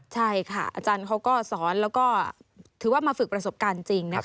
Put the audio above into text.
ใช่ค่ะอาจารย์เขาก็สอนแล้วก็ถือว่ามาฝึกประสบการณ์จริงนะคะ